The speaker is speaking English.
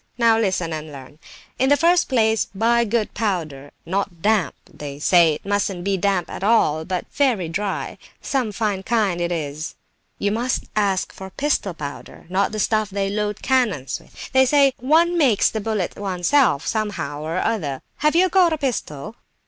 Now listen and learn; in the first place buy good powder, not damp (they say it mustn't be at all damp, but very dry), some fine kind it is—you must ask for pistol powder, not the stuff they load cannons with. They say one makes the bullets oneself, somehow or other. Have you got a pistol?"